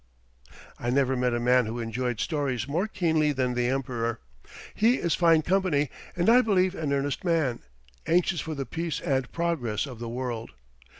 I never met a man who enjoyed stories more keenly than the Emperor. He is fine company, and I believe an earnest man, anxious for the peace and progress of the world.